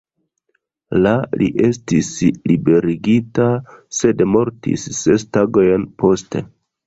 La li estis liberigita, sed mortis ses tagojn poste.